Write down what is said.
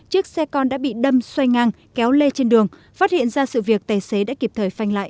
chiếc xe con đã bị đâm xoay ngang kéo lê trên đường phát hiện ra sự việc tài xế đã kịp thời phanh lại